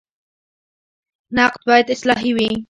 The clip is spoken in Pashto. نقد باید اصلاحي وي